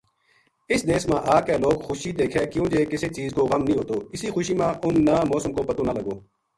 اِ س دیس ما آ کے لوک خوشی دیکھے کیوں جے کسے چیز کو غم نیہہ ہوتواسی خوشی ما اِن نا موسم کو پتو نہ لگو